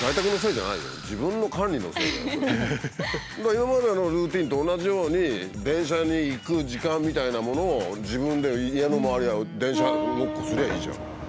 今までのルーティーンと同じように電車に行く時間みたいなものを自分で家の周りを「電車ごっこ」。